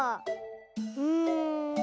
うん。